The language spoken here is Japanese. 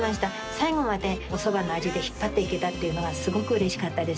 最後までおそばの味で引っ張っていけたっていうのがすごくうれしかったです。